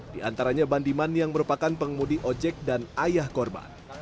di antaranya bandiman yang merupakan pengemudi ojek dan ayah korban